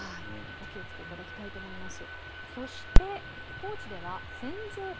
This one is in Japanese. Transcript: お気をつけいただきたいと思います。